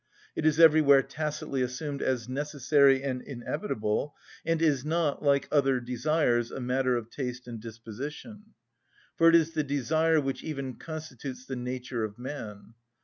It is everywhere tacitly assumed as necessary and inevitable, and is not, like other desires, a matter of taste and disposition. For it is the desire which even constitutes the nature of man.